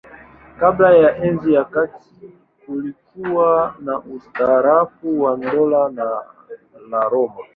Kabla ya Enzi ya Kati kulikuwa na ustaarabu wa Dola la Roma.